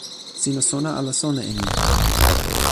sina sona ala sona e ni?